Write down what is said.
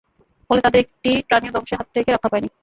ফলে তাদের একটি প্রাণীও ধ্বংসের হাত থেকে রক্ষা পায়নি।